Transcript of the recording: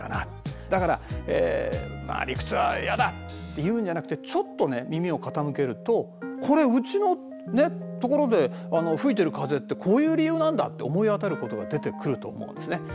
だからまあ理屈は嫌だって言うんじゃなくてちょっと耳を傾けるとこれうちのところでふいてる風ってこういう理由なんだって思い当たることが出てくると思うんですね。